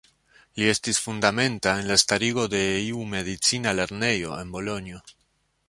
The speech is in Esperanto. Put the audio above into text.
Li estis fundamenta en la starigo de iu medicina lernejo en Bolonjo.